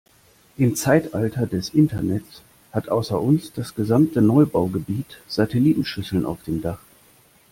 Im Zeitalter des Internets hat außer uns das gesamte Neubaugebiet Satellitenschüsseln auf dem Dach.